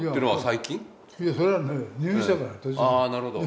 あなるほど。